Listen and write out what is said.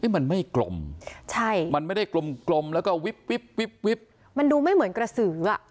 มันไม่กลมใช่มันไม่ได้กลมแล้วก็วิบวิบวิบมันดูไม่เหมือนกระสืออ่ะ